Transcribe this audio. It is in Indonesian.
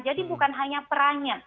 jadi bukan hanya perannya